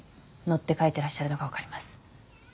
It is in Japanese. ッて書いてらっしゃるのがわかります